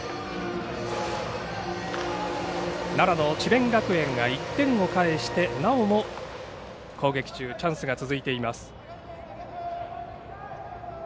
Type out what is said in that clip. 奈良の智弁学園が１点を返してなおも攻撃中チャンスが続いています。